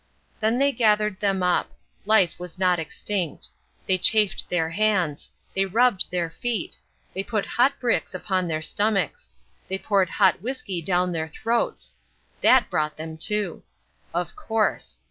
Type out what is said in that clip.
Then they gathered them up. Life was not extinct. They chafed their hands. They rubbed their feet. They put hot bricks upon their stomachs. They poured hot whisky down their throats. That brought them to. Of course.